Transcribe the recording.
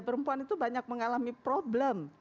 perempuan itu banyak mengalami problem